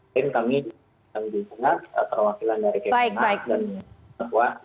dan kami juga perwakilan dari kpa dan dari semua